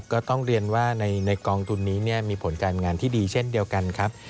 ก็ต้องเรียนว่าในกองทุนนี้มีผลการงานที่ดีเช่นเดียวกันครับ